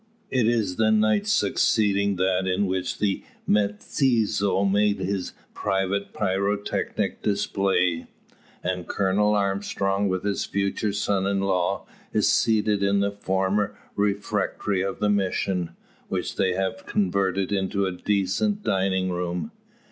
It is the night succeeding that in which the mestizo made his private pyrotechnic display; and Colonel Armstrong with his future son in law is seated in the former refectory of the mission, which they have converted into a decent dining room.